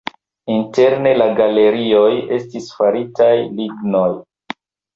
Interne la galerioj estis faritaj lignoj.